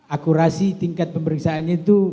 akurasi tingkat pemeriksaannya itu